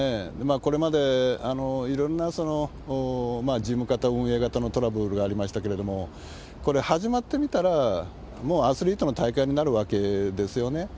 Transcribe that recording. これまでいろんな事務方、運営方のトラブルがありましたけれども、これ、始まってみたら、もうアスリートの大会になるわけですよね。